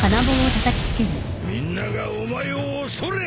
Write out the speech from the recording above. みんながお前を恐れる！